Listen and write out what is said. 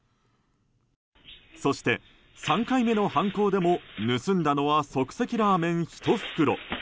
そして、３回目の犯行でも盗んだのは、即席ラーメン１袋。